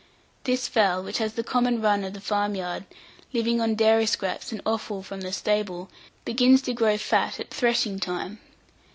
This fowl, which has the common run of the farm yard, living on dairy scraps and offal from the stable, begins to grow fat at threshing time.